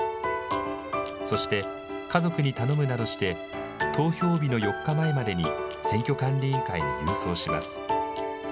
そして家族に頼むなどして、投票日の４日前までに選挙管理委員会に郵送します。